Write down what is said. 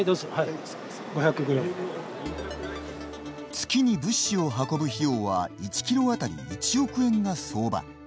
月に物資を運ぶ費用は１キロ当たり１億円が相場。